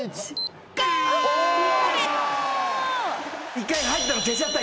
１回入ったの消しちゃった。